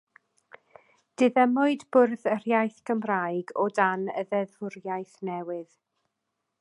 Diddymwyd Bwrdd yr Iaith Gymraeg o dan y ddeddfwriaeth newydd.